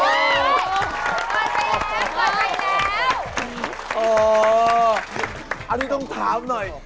เตรียมตัวครับ